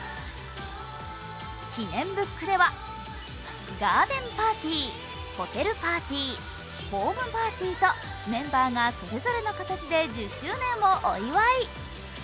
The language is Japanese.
記念ＢＯＯＫではガーデンパーティーホテルパーティー、ホームパーティーとメンバーがそれぞれの形で１０周年をお祝い。